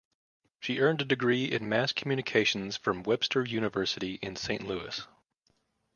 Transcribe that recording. She earned a degree in Mass Communications from Webster University in Saint Louis.